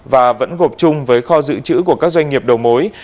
và vẫn gộp chung với kho dự trữ của các doanh nghiệp đầu mối